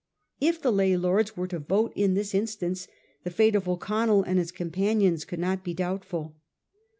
If the lay lords were to vote in this instance, the fate of O'Con nell and his companions could not be doubtful.